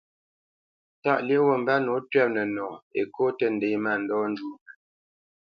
Tâʼ lyéʼ wút mbə́ nǒ twɛ̂p nənɔ Ekô tə́ ndě mándɔ njwóʼ.